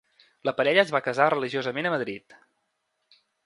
La parella es va casar religiosament a Madrid.